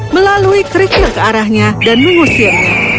melalui kerikil ke arahnya dan mengusir